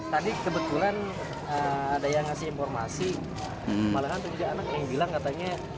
tadi kebetulan ada yang ngasih informasi malahan itu juga anak yang bilang katanya